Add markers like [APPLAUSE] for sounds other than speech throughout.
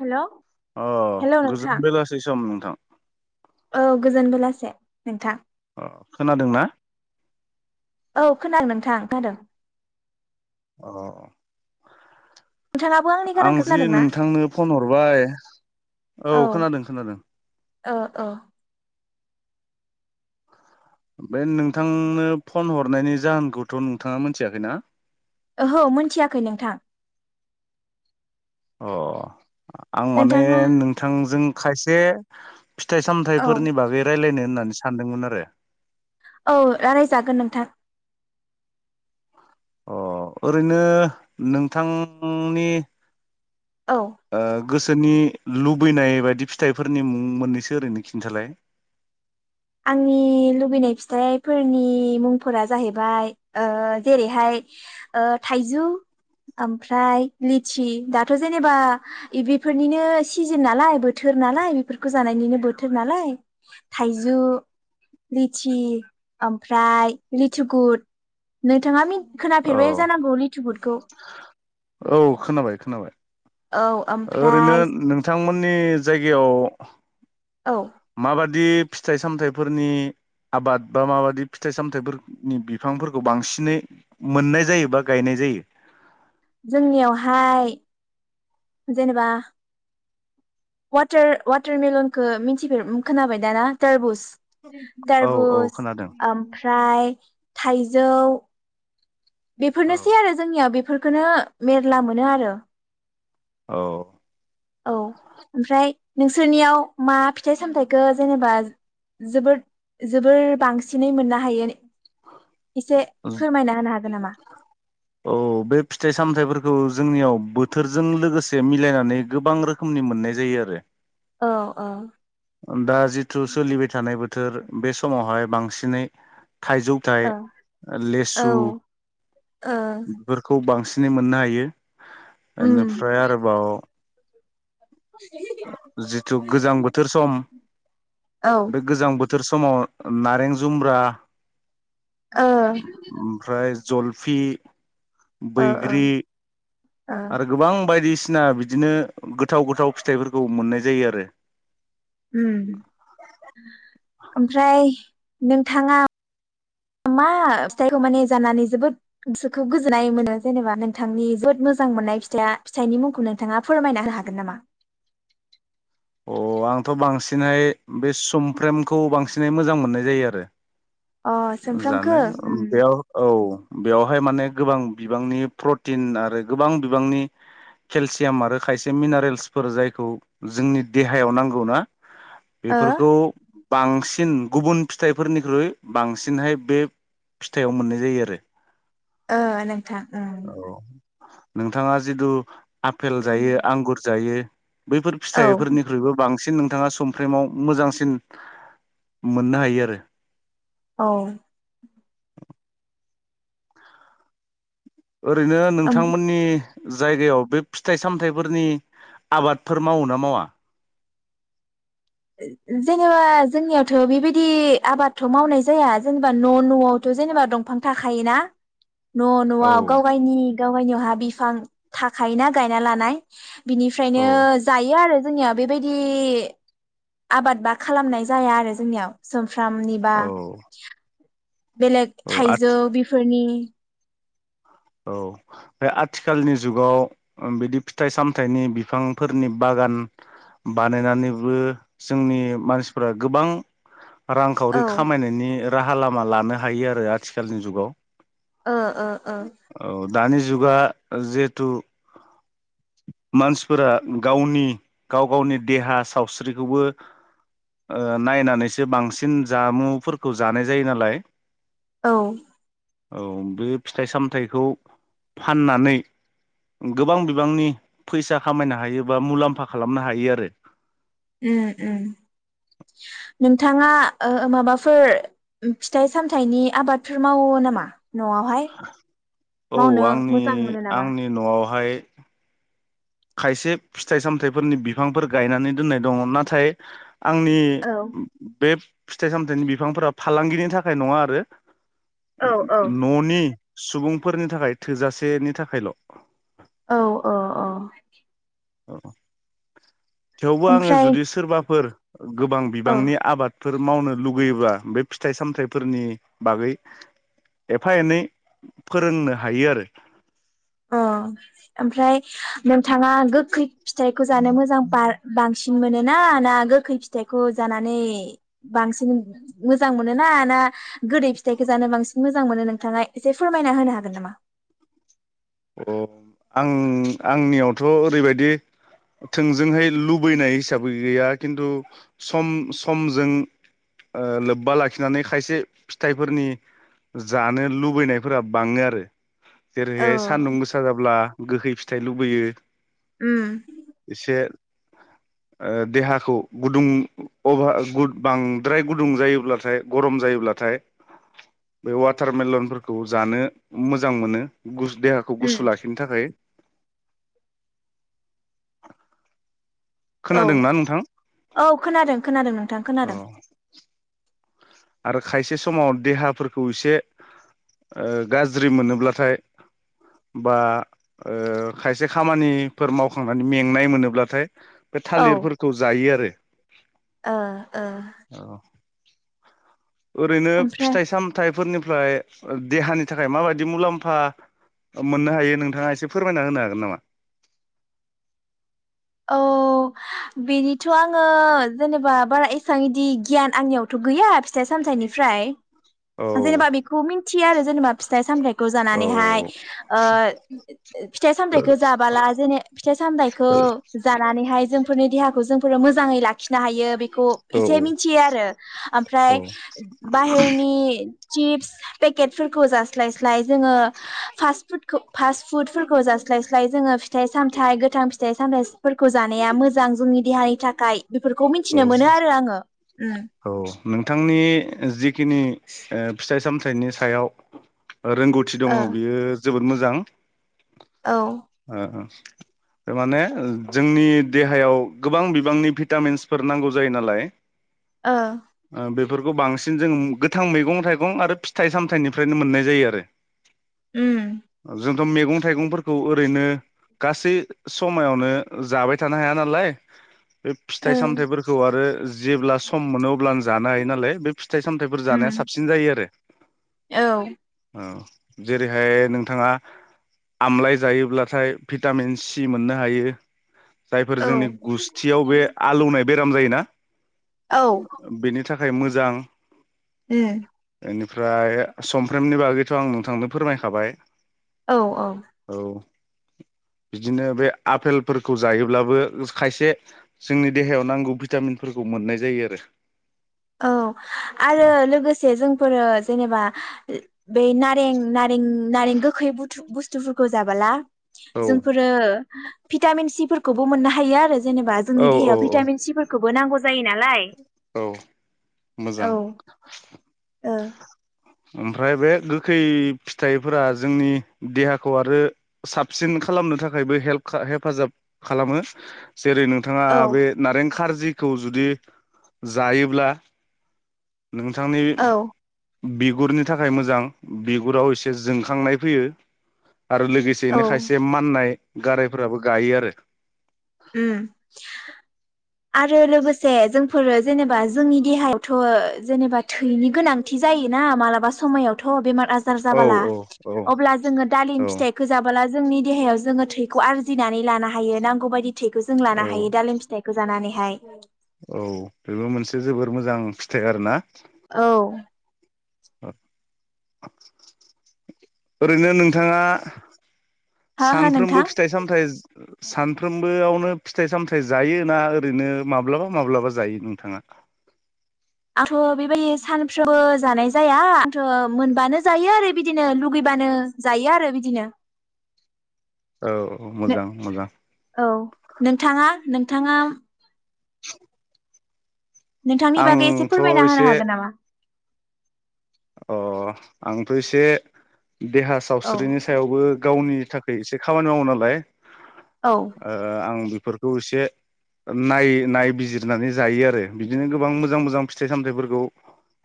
Hello अ hello नोंथां गोजोन बेलासेै सम थ' औ गोजोन बेलासे नोंथां अ खोनादोंना औ खोनादों नोंथां खोनादों अ नोंथाङाबो आंनि आं गारांखौ जि खोनादों ना नोंथांनो फन हरबाय औ खोनादों खोनादों ओ ओ बे नोंथांनो फन हरनायनि जाहोनखौथ' नोंथाङा मोनथियाखैना ओहो मोनथियाखै नोंथां अ आं माने नोंथाङा नोंथांजों खायसे फिथाइ औ सामथायाइफोरनि बागै रायलायनो होननानै सानदोंमोन आरो औ लारायजागोन नोंथां अ ओरैनो नोंथांनि औ ओ गोसोनि लुबैनाय बायदि फिथाइफोरनि मुं मोननैसो ओरैनो खिन्थालाय आंनि लुबैनाय फिथाइफोरनि मुंफोरा जाहैबाय ओ जेरैहाय ओ थाइजौ ओमफ्राय लिथि दाथ' जेनेबा बेफोरनिनो सिजोन नालाय बोथोर नालाय बेफोरखौ जानायनिनो बोथोर नालाय थाइ जु लिथि ओमफ्राय लिथिु गुुर नोंथाङा औ खोनाफेरबाय जानांगौ लिथुगुदखौ औ खोनाबाय खोनाबाय औ ओरैनो ओमफ्राय नोंथांमोन नि जायगायाव औ माबादि फिथाइ-सामथाइफोरनि आबाद बा माबादि फिथाइ-सामथाइफोरनि बिफांफोरखौ बांसिनै मोननाय जायो बा गायनाय जायो। जोंनियावहाय जेनेबा वाटार-वाटारमेलनखौ मिन्थिफेर खोनाबाय दाना तारबुस औ औ तारबुस खोनादों ओमफ्राय थाइजौ बेफोरनोसै औ आरो जोंनियाव बे फोरखोनो मेरला मोनो आरो औ औ ओमफ्राय नोंसोरनियाव मा फिथाइ-सामथायाइखौ जेनेबा जोबोर जोबोर बांसिनै मोननो हायो? एसे फोरमायना होनो हागोन नामा? औ बे फिथाइ-सामथायाइफोरखौ जोंनियाव बोथोरजों लोगोसे मिलायनानै गोबां रोखोमनि मोननाय जायो आरो औ औ दा जिथु सोलिबाय थानाय बो थोर बे समावहाय बांसिनै औ थाइजौथाइ, औ लेसु ओ बेफोरखौ बांसिन नै मोननो हायो। उम ओनोफ्राय आरोबाव जिथु गोजां बोथोर सम औ ओ बे गोजां बो थोर समाव नारें जुम्ब्रा, ओ ओमफ्राय जलफि, ओ ओ बैग्रि आरो गोबां बायदि सिना बिदिनो गोथाव गोथाव फिथाइफोरखौ मोननाय जायो आरो उम ओमफ्राय नोंथाङा मा फिथाइखौ माने जानानै जोबोद गोसोखौ गोजोननाय मोनो जेनेबा नोंथांनि जोबोद मोजां मोननाय फिथाइ फिथाइनि मुंखौ नोंथाङा फोरमायना होनो हागोन नामा? अ आंथ' बांसिनहाय बे सुमफ्रेमखौ बांसिनहाय मोजां मोननाय जायो आरो अ सोमफ्रामखो जानो उम बेयाव औ बेवहाय माने गोबां बिबांनि प्रटिन आरो गोबां बिबांनि केलसियाम आरो खायसे मिनारेल्सफोर जायखौ जोंनि देहायाव नांगौना ओ बेफोरखौ बांसिन गुबुन फिथाइफोरनिख्रुइ बांसिनहै बे फिथाइयाव मोननाय जायो आरो ओ नोंथां ओ नोंथाङा जिथु आफेल जायो आंगुर जायो। बैफोर औ फिथायफोरनिख्रुइबो बां सिन नोंथांङा समफ्रेमाव मोजांसिन मोननो हायो आरो। औ ओरैनो ओम नोंथांमोननि जायगायाव बे फिथाय सामथायफोरनि आबादफोर मावो ना मावा। जेनेबा जोंनियावथ बेबायदि आबादथ मावनाय जाया जेनेबा न' न'आवथ जेनेबा दंफां थाखायोना। न' औ न'आव गाव गायनि गावगायनियावहा बिफां थाखायोना गायना लानाय बिनिफ्रायनो औ जायो आरो। जोंनिया बेबायदि आबाद बा खालामनाय जाया आरो जोंनियाव सम फ्रामनिबा औ बेलेग औ थाइजौ आथि बेफोरनि औ बे आथिखालनि जुगाव बिदि फिथाय सामथायनि बिफांफोरनि बागान बानायनानैबो जोंनि मानसिफोरा गोबां औ रांखावरि खामायनायनि राहा लामा लानो हायो आरो आथिखालनि जुगाव। ओ ओ ओ औ दानि जुगा जिहेथु मानसिफोरा गावनि-गाव-गावनि देहा सावस्रिखौबो नायनानैसो बांसिन जामुफोरखौ जानाय जायो नालाय औ औ बे फिथाय साम थायखौ फाननानै गोबां बिबांनि फैसा खामायनो हायो बा मुलाम्फा खालामनो हायो आरो। उम उम नोंथांङा माबाफोर फिथाइ सामथाइनि आबादफोर मावो नामा। न'आवहाय औ मावनो आंनि मोजां मोनो नामा आंनि न'आव हाय खायसे फिथाय सामथायफोरनि बिफांफोर गायनानै दोननाय दंङ नाथाय आंनि औ बे फिथाय सामथायनि बिफांफोरा फालांगिनि थाखाय नंङा आरो। औ औ न'नि सुबुंफोरनि थाखाय थोजासेनि थाखायल औ औ [UNINTELLIGIBLE] औ थेवबो आंङो ओमफ्राय जुदि सोरबाफोर गोबां औ बिबांनि आबादफोर मावनो लुुबैयोब्ला बे फिथाय सामथायफोरनि बागै एफा एनै फोरोंनो हायो आरो। अ ओमफ्राय नोंथांङा गोखै फिथायखौ जानो मोजां बांसिन मोनोना ना गोखै फिथायखौ जानानै बांसिन मोजां मोनोना ना गोदै फिथायखौ जानो बांसिन मोजां मोनो नोंथांङा एसे फोरमायना होनो हागोन नामा। अ आं आंनियावथ' ओरैबायदि थोंजोंहाय लुबैनाय हिसाबै गैया खिन्थु सम समजों लोब्बा लाखिनानै खायसे फिथाइफोरनि जानो लुबैनायफोरा बाङो आरो औ जेरै सान्दुं गोसा जाब्ला गोखै फिथाइ लुबैयो उम एसे ओ देहाखौ गुदुं अभा गुद बांद्राय गुदुं जायोब्लाथाय गरम जायोब्लाथाय बे वाटारमेलनफोरखौ जानो मोजां मोनो। गुसु दे खौ उम गुसु लाखिनो थाखाय। औ खोनादोंना नोंथां औ खोनादों खोनादों नोंथां औ खोनादों। आरो खायसे समाव देहाफोरखौ एसे ओ गाज्रि मोनोब्लाथाय बा खायसे खामानिफोर मावखांनानै मेंनाय मोनोब्लाथाय बे औ थालिरफोरखौ जायो आरो। ओ ओ। ओरैनो ओमफ्राय फिथाइ सामथाइफोरनि ओमफ्राय देहानि थाखाय माबायदि मुलाम्फा मोननो हायो नोंथाङा एसे फोरमायना होनो हागोन नामा? औ बेनिथ' आङो जेनेबा बारा एसेबां इदि गियान आंनियावथ' गैया फिथाइ सामथाइनिफ्राय औ जेनेबा बेखौ मिथियो आरो जेनेबा फिथाइ सामथायाइखौ जानानैहाय ओ फिथाइ सामथाइखौ जाबाला जेने फिथाइ सामथाइखो जानानैहाय जोंफोरनि देहाखौ जोंफोर मोजाङै लाखिनो हायो। बे खौ औ इसे मिथियो आरो औ ओमफ्राय बाहेरनि चिप्स पेकेटफोरखौ जास्लाय स्लाय जोङो फास्ट फुडखौ फास्ट फुदफोरखौ जास्लायस्लाय जोङो फिथाइ सामथाइ गोथां फिथाइ सामथाय फोरखौ जानाया मोजां जोंनि देहानि थाखाय। बेफोरखौ औ मिथिनो मोनो आरो आङो औ नोंथांनि जिखिनि ओ फिथाइ सामथाइनि सायाव रोंगौथि दङ' बियो जोबोद मोजां। जां। ओ दामाने जोंनि देहायाव गोबां बिबांनि भिटामिन्स फोर नांगौ जायो नालाय ओ। फोरखौ बांसिन जों गोथां मैगं थाइगं आरो फिथाइ सामथाइनिफ्रायनो मोननाय जायो आरो। उम जों दम मैगं थाइगंफोरखौ ओरैनो गासै समायावनो जाबाय थानो हाया नालाय बे ओ औ फिथाइ ओ सामथायाइफोरखौ आरो जेब्ला सम मोनो अब्ला आं जानो हायो नालाय बे फिथाइ सामथायाइफोर उम जानाया साबसिन जायो आरो ओ औ। जेरैहाय नोंथाङा आमलाय जायोब्लाथाय भिटामिन सि मोननो हायो। जायफोर जोंनि उम गुस्थियाव बे बुनाय बेराम जायोना। औ। नि थाखाय मोजां। ए। बेनिफ्राय समफ्रामनि बागैथ' आं नोंथांनो फोरमायखाबाय। औ औ औ। बिदिनो बे आफेलफोरखौ जायोब्लाबो खायसे जोंनि देहायाव नांगौ भिटामिनफोरखौ मोननाय जायो आरो । औ आरो लोगोसे जोंफोरो जेनेबा बेै नारें नारें नारें गोखै बस्थुफोरखौ जाबोला जोंफोरो भिटामिन सिफोरखौबो मोननो हायो आरो। जेनेबा औ जोंनि औ देहायाव औ भिटामिन सिफोरखौ बो नांगौ जायो नालाय। औ मोजां। ओ औ [INAUDIBLE] ओमफ्राय बे गोखै फिथाइफोरा जोंनि देहाखौ आरो साबसिन खालामनो थाखायबो हेल्प हेफाजाब खालामो। जेरै नोंथाङा बे नारें खार जिखौ जुदि जायोब्ला नोंथांनि। औ बिगुरनि थाखाय मोजां बिगुराव एसे जोंखांनाय फैयो। आरो औ लोगोसेनो खायसे माननाय गारायफोराबो गायो आरो। उम। आरो लोगोसे जोंफोरो जेनेबा जोंनि देहायावथ' जेनेबा थैनि गोनांथि जायोना मालाबा समायाव बेमार आजार औ जाबोला औ औ अब्ला जों दालिम औ फिथाय जाबोला जोंनि देहायाव जोङो थैखौ आरजिनानै लानो हायो नांगौ बायदि थैखौ जों लानो हायो औ दालिम फिथाइ जानानैहाय। औ बेबो मोनसे जोबोर मोजां फिथाइ आरोना औ। औ। ओरैनो नोंथाङा हो हो सानफ्रोमबो नोंथां फिथाइ सामथायाइ सानफ्रोमबोआवनो फिथाइ सामथाइ जायो ना ओरैनो माब्लाबा माब्लाबा जायो नोंथाङा? आंथ' बेबायदि सानफ्रोमबो जानाय जाया आंथ' मोनबानो जायो आरो बिदिनो लुगैबानो जायो आरो बिदिनो। औ औ मोजां मोजां। औ नोंथाङा नोंथाङा नोंथांनि बागै एसे आंथ' फोरमायना होनो एसे हागोन नामा? अ आंथ' एसे देहा औ सावस्रिनि सायावबो गावनि थाखै एसे खामानि मावो नालाय औ ओ आं बि फोरखौ इसे नाय नायबिजिरनानै जायो आरो बिदिनो गोबां मोजां मोजां फिथाइ सामथाइफोरखौ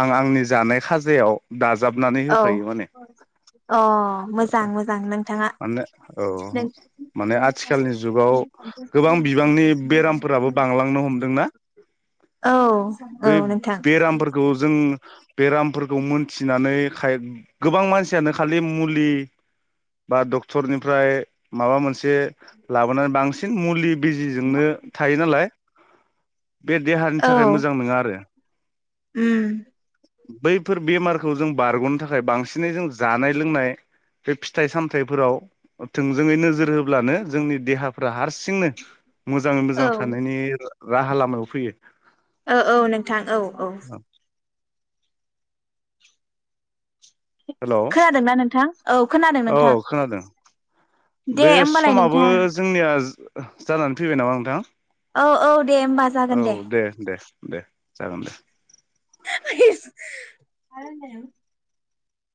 आं आंनि जानाय खाज जायाव दाजाबनानै औ होफायो माने अ मोजां औ मोजां नोंथाङा माने औ नों माने आथिखालनि जुगाव गोबां बिबांनि बेरामफोराबो बांलांनो हमदोंना औ बै औ नोंथां बेरामफोरखौ जों बेेराम फोरखौ मोनथिनानै खाय गोबां मानसियानो खालि मुलि बा डक्टरनिफ्राय माबा मोनसे लाबोनानै बांसिन मुलि बिजिजोंनो थायो नालाय बे देहानि औ थाखाय मोजां नोङा आरो। उम बै फोर बेमारखौ जों बारग'नो थाखाय बांसिनै जों जानाय लोंनाय बे फिथाइ सामथाइफोराव थोंजोङै नोजोर होब्लानो जोंनि देहाफ्रा हारसिंनो मोजाङै औ मोजां थांनायनि रा राहा लामायाव फैयो। औ औ नोंथां औ औ। हेलौ खोनादोंना नोंथां? औ खोनादों औ नोंथां। खोनादों दे बे होमबालाय समाबो नोंथां जोंनिया ओह जानानै फैबाय नामा नोंथां? औ औ दे होमबा औ जागोन दे। दे दे जागोन दे। [UNINTELLIGIBLE]